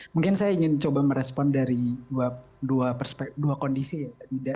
mungkin saya ingin coba merespon dari dua kondisi ya